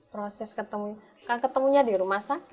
proses ketemunya kan ketemunya di rumah sakit